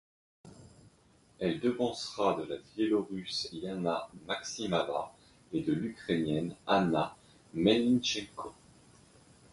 Elle devancera de la Biélorusse Yana Maksimava et de l'Ukrainienne Hanna Melnychenko.